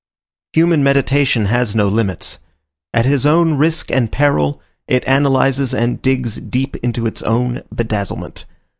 Human meditation has no limits. At his own risk and peril, it analyzes and digs deep into its own bedazzlement.